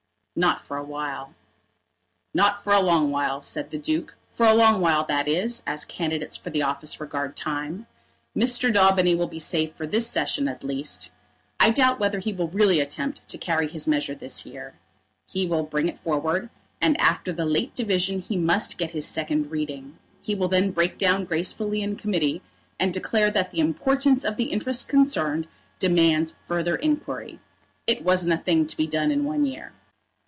"Not for a while." "Not for a long while," said the Duke; "for a long while, that is, as candidates for office regard time. Mr. Daubeny will be safe for this Session at least. I doubt whether he will really attempt to carry his measure this year. He will bring it forward, and after the late division he must get his second reading. He will then break down gracefully in Committee, and declare that the importance of the interests concerned demands further inquiry. It wasn't a thing to be done in one year."